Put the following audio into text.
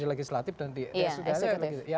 legislatif dan ya sudah ya